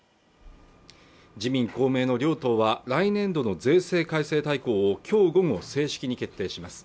自民公明の両党は来年度の税制改正大綱をきょう午後正式に決定します